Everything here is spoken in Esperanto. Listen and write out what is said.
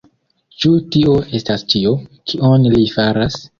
Ĉu tio estas ĉio, kion li faras?